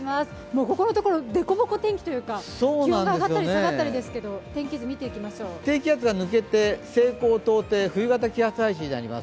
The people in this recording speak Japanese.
ここのところでこぼこ天気というか、気温が上がったり下がったりですけど低気圧が抜けて西高東低、冬型の気圧配置になります。